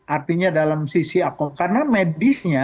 artinya dalam sisi aku karena medisnya